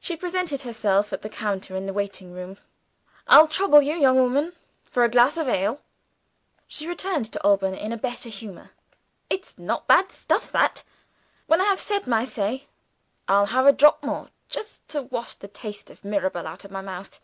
She presented herself at the counter in the waiting room. "I'll trouble you, young woman, for a glass of ale." She returned to Alban in a better humor. "It's not bad stuff, that! When I have said my say, I'll have a drop more just to wash the taste of Mr. Mirabel out of my mouth.